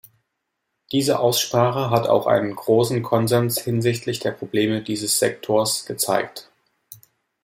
Diese Aussprache hat auch einen großen Konsens hinsichtlich der Probleme dieses Sektors gezeigt.